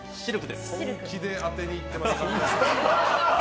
本気で当てに行ってますね。